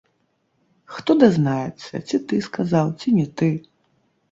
Хто дазнаецца, ці ты сказаў, ці не ты?